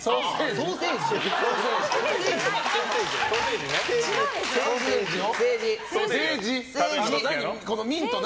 ソーセージね。